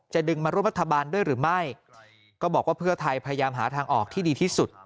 ดึงมาร่วมรัฐบาลด้วยหรือไม่ก็บอกว่าเพื่อไทยพยายามหาทางออกที่ดีที่สุด